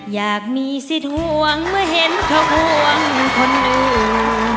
อยากมีสิทธิ์ห่วงเมื่อเห็นเขาห่วงคนอื่น